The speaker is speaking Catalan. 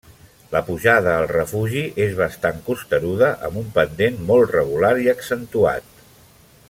La pujada al refugi és bastant costeruda amb un pendent molt regular i accentuat.